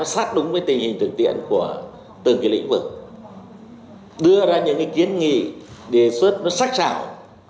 sát đúng với tình hình thực tiện của từng lĩnh vực đưa ra những kiến nghị đề xuất sắc chảo